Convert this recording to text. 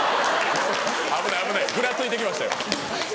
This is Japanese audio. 危ない危ないふらついて来ましたよ。